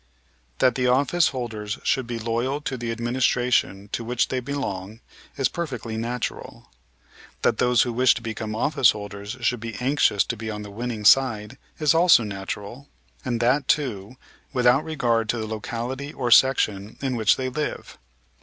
That the office holders should be loyal to the administration to which they belong is perfectly natural. That those who wish to become office holders should be anxious to be on the winning side is also natural, and that, too, without regard to the locality or section in which they live.